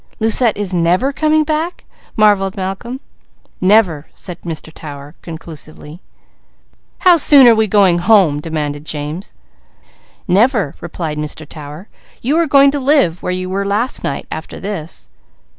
"Lucette is never coming back?" marvelled Malcolm. "Never!" said Mr. Tower conclusively. "How soon are we going home?" demanded James. "Never!" replied Mr. Tower. "You are going to live where you were last night, after this."